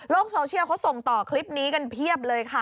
โซเชียลเขาส่งต่อคลิปนี้กันเพียบเลยค่ะ